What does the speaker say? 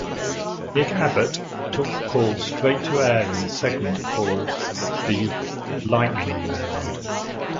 Nick Abbot took calls straight to air in a segment calls the "Lightning Round".